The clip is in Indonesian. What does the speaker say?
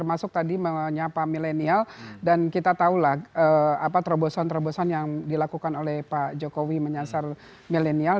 apa terobosan terobosan yang dilakukan oleh pak jokowi menyasar millenial